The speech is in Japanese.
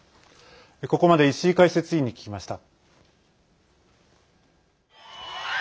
ここまで石井解説委員に聞きました。